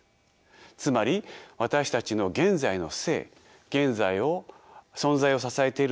つまり私たちの現在の生存在を支えているのは進化